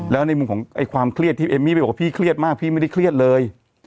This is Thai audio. แล้วในมุมของความเครียดที่เอมมี่ไปบอกว่าพี่เครียดมากพี่ไม่ได้เครียดเลย